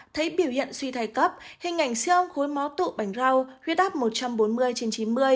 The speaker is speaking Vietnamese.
thấy biểu hiện suy thai cấp hình ảnh siêu ông khối mó tụ bánh rau huyết áp một trăm bốn mươi trên chín mươi